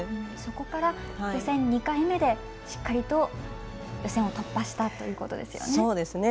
そこから、予選２回目でしっかりと予選を突破したということですよね。